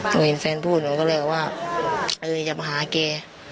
หนูเห็นแฟนพูดหนูก็เลยว่าเอออยากมาหาเกรียร์